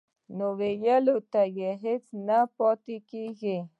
نور ویلو ته هېڅ څه نه پاتې کېږي